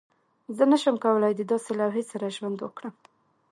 زه نشم کولی د داسې لوحې سره ژوند وکړم